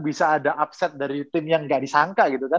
bisa ada upset dari tim yang gak disangka gitu kan